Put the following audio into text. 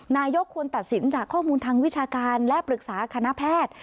นายกควรตัดสินจากข้อมูลทางวิชาการและปรึกษาคณะแพทย์